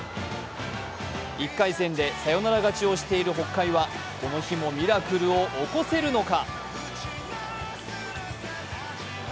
１回戦でサヨナラ勝ちをしている北海はこの日もミラクルを起こせるのか？